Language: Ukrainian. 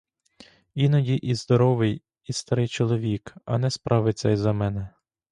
Іноді і здоровий, і старий чоловік, а не справиться й за мене.